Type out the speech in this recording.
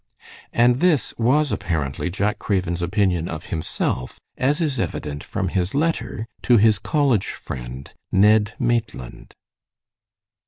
And this was apparently Jack Craven's opinion of himself, as is evident from his letter to his college friend, Ned Maitland.